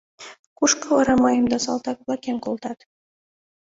Кушко вара мыйым да салтак-влакем колтат?